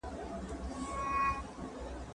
د کار مؤلديت له بده مرغه نه لوړيده.